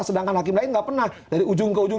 sedangkan hakim lain nggak pernah dari ujung ke ujung